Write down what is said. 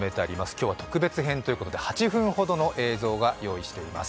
今日は特別編ということで８分ほどの映像を用意しています。